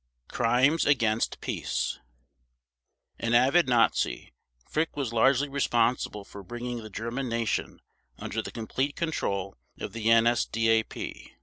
Crimes against Peace An avid Nazi, Frick was largely responsible for bringing the German Nation under the complete control of the NSDAP.